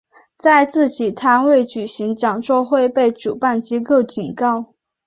在自己摊位举行讲座会被主办机构警告。